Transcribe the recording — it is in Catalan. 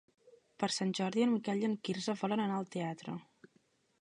Per Sant Jordi en Miquel i en Quirze volen anar al teatre.